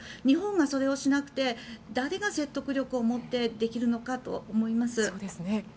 日本がそれをしなくて誰が説得力を持ってできるのかと思います。